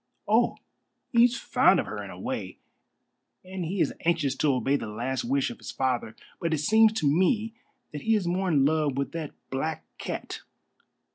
"Oh, he's fond of her in a way, and he is anxious to obey the last wish of his father. But it seems to me that he is more in love with that black cat."